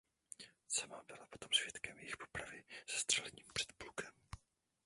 Sama byla potom svědkem jejich popravy zastřelením před plukem.